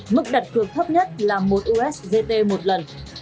mức đặt cược thấp nhất là một usd một lần